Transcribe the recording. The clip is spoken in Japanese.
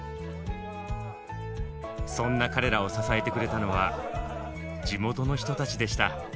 そんな彼らを支えてくれたのは地元の人たちでした。